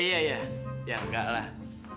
iya iya ya nggak lah